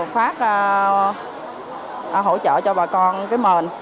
khoát hỗ trợ cho bà con cái mền